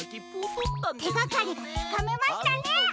てがかりがつかめましたね！